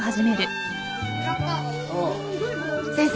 先生。